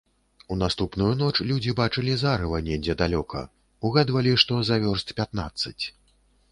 У наступную ноч людзі бачылі зарыва недзе далёка, угадвалі, што за вёрст пятнаццаць.